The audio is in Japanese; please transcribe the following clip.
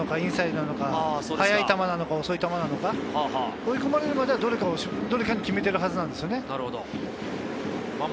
外なのかインサイドなのか、速い球なのか遅い球なのか、追い込まれるまでは、どれかに決めているはずなんですよね。